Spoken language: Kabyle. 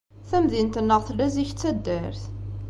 Tamdint-nneɣ tella zik d taddart.